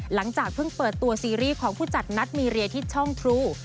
หลังจากเพิ่งเปิดตัวซีรีส์ของผู้จัดนัทมีเรียที่ช่องทรู